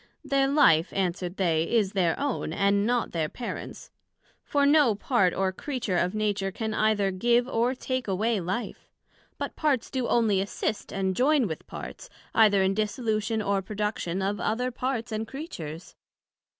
Their life, answered they, is their own, and not their Parents; for no part or creature of Nature can either give or take away life; but parts do onely assist and join with parts, either in dissolution or production of other Parts and Creatures.